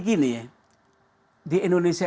gini ya di indonesia